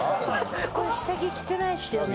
これ下着着てないっすよね？